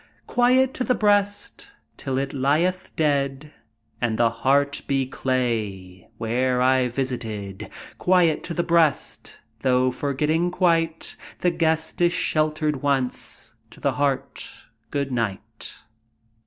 Quiet to the breast Till it lieth dead, And the heart be clay Where I visited. Quiet to the breast, Though forgetting quite The guest it sheltered once; To the heart, good night!